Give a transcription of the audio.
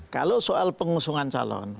kalau soal pengusungan calon